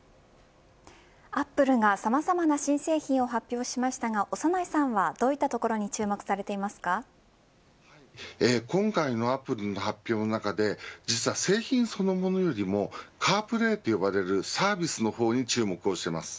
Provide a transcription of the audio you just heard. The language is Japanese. アップルがさまざまな新製品を発表しましたが長内さんはどういったところに今回のアップルの発表の中で実は製品そのものよりもカープレーと呼ばれるサービスの方に注目をしています。